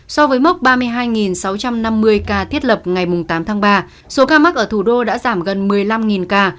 so với mốc ba mươi hai sáu trăm năm mươi ca thiết lập ngày tám tháng ba số ca mắc ở thủ đô đã giảm gần một mươi năm ca